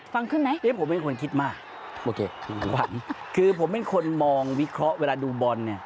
ฟังขึ้นไหมคุณคิดมากควรคือผมเป็นคนมองวิเคราะห์เวลาดูบอล